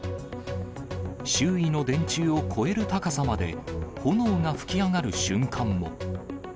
周囲の電柱を超える高さまで炎が噴き上がる瞬間も。